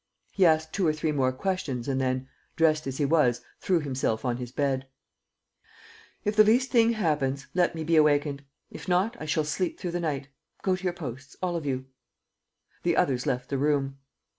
He asked two or three more questions and then, dressed as he was, threw himself on his bed: "If the least thing happens, let me be awakened. ... If not, I shall sleep through the night. ... Go to your posts, all of you." The others left the room.